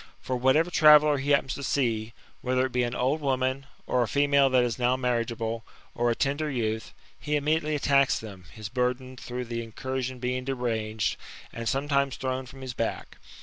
For whatever traveller he happens to see, whether it be an old woman, or a female that is noW marriageable, or a tender youth, he immediately attacks them, his burden through the incursion being deranged, and sometimes thrown from his back.